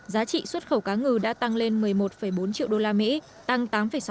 giá trị xuất khẩu cá ngừ đã tăng lên một mươi một bốn triệu usd tăng tám sáu